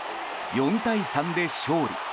４対３で勝利。